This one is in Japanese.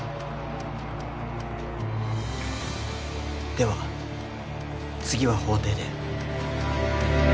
では次は法廷で。